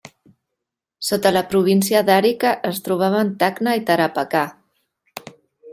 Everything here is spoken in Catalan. Sota la província d'Arica es trobaven Tacna i Tarapacá.